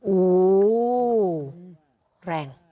อู๋แรง